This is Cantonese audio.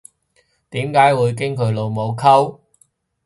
點解會經佢老母溝